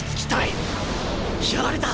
やられた！